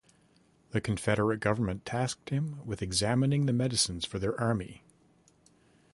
The confederate government tasked him with examining the medicines for their army.